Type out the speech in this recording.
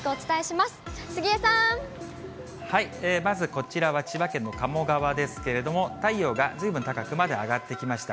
まずこちらは、千葉県の鴨川ですけれども、太陽がずいぶん高くまで上がってきました。